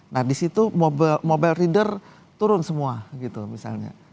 nah di situ mobile reader turun semua gitu misalnya